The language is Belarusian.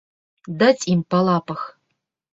Даць ім па лапах!